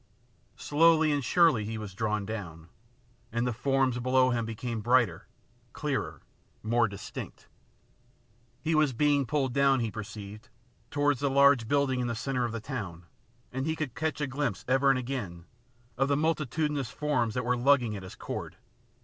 Slowly and surely he was drawn down, and the forms below him became brighter, clearer, more dis tinct. He was being pulled down, he perceived, towards the large building in the centre of the town, and he could catch a glimpse ever and again of the multitudinous forms that were lugging at his cord.